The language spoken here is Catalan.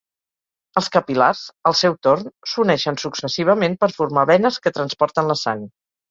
Els capil·lars, al seu torn, s'uneixen successivament per formar venes que transporten la sang.